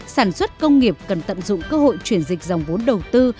sản xuất công nghiệp cần tận dụng cơ hội chuyển dịch dòng vốn đầu tư